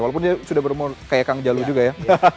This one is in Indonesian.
walaupun dia sudah berumur kayak kang jalu juga ya